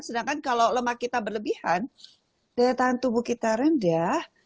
sedangkan kalau lemak kita berlebihan daya tahan tubuh kita rendah